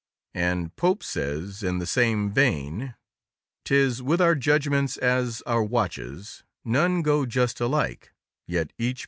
And Pope says in the same vein: _'Tis with our judgments as our watches—none Go just alike, yet each believes his own.